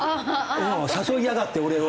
「誘いやがって俺を。